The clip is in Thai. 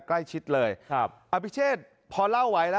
มันเป็นผู้ชาย